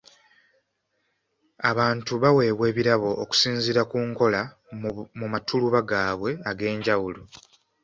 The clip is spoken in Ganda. Abantu baweebwa ebirabo okusinzira ku nkola mu matuluba gaabwe eg'enjawulo.